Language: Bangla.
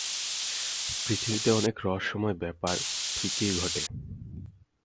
পৃথিবীতে অনেক রহস্যময় ব্যাপার ঠিকই ঘটে।